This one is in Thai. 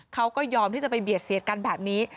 เขาก็ยอมที่จะไปเบียดเสียดกันแบบนี้